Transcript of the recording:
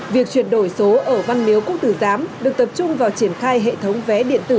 việc chuyển đổi số ở văn miếu quốc tử giám được tập trung vào triển khai hệ thống vé điện tử